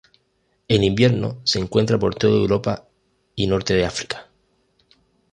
En invierno se encuentra por toda Europa y norte de África.